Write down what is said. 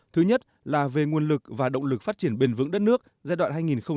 thứ nhất là về nguồn lực và động lực phát triển bền vững đất nước giai đoạn hai nghìn hai mươi một hai nghìn ba mươi